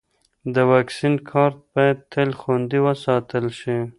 د واکسین کارت باید تل خوندي وساتل شي.